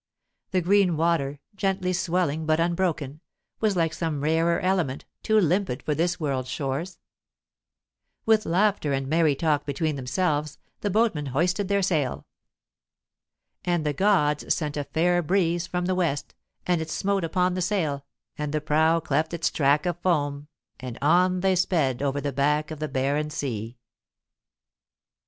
The green water, gently swelling but unbroken, was like some rarer element, too limpid for this world's shores. With laughter and merry talk between themselves, the boatmen hoisted their sail. And the gods sent a fair breeze from the west, and it smote upon the sail, and the prow cleft its track of foam, and on they sped over the back of the barren sea.